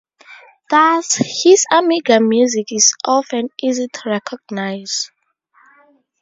Thus, his Amiga music is often easy to recognise.